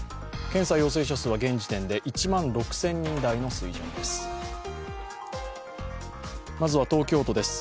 検査陽性者数は現時点で１万６０００人台の水準です。